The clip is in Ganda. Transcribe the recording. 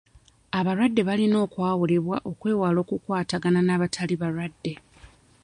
Abalwadde balina okwawulibwa okwewala okukwatagana n'abatali balwadde.